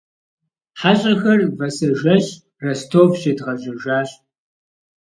Хьэщӏэхэр вэсэжэщ Ростов щедгъэжьэжащ.